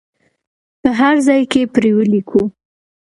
په هر ځای کې پرې ولیکو.